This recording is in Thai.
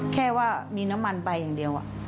แค่ว่ามีน้ำมันใบอย่างเดียว